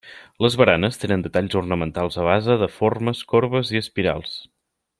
Les baranes tenen detalls ornamentals a base de formes corbes i espirals.